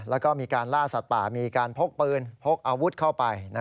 แล้วก็มีการล่าสัตว์ป่ามีการพกปืนพกอาวุธเข้าไป